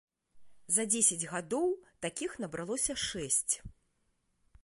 За дзесяць гадоў такіх набралося шэсць.